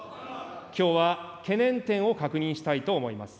きょうは懸念点を確認したいと思います。